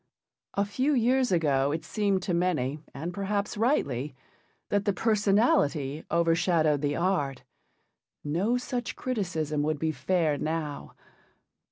A few years ago it seemed to many, and perhaps rightly, that the personality overshadowed the art. No such criticism would be fair now.